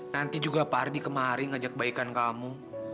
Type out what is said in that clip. nanti juga pak ardi kemarin ngajak baikan kamu